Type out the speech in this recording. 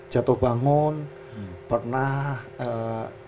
jatuh bangun pernah jutaan yang nggak dibayar juga